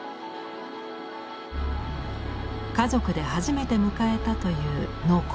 家族で初めて迎えたという農耕馬。